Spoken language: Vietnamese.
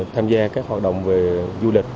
tham gia các hoạt động về du lịch